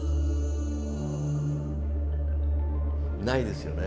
ないですよね。